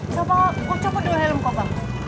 coba kau coba dulu helm kau bang